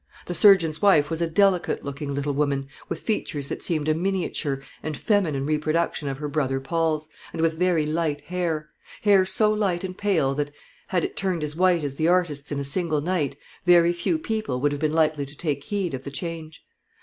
The surgeon's wife was a delicate looking little woman, with features that seemed a miniature and feminine reproduction of her brother Paul's, and with very light hair, hair so light and pale that, had it turned as white as the artist's in a single night, very few people would have been likely to take heed of the change.